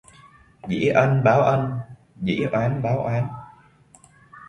Dĩ ân báo ân, dĩ oán báo oán